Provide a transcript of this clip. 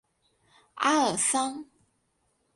阿尔桑。